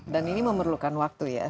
dan ini memerlukan waktu ya